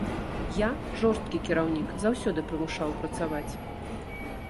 Я жорсткі кіраўнік, заўсёды прымушаў працаваць.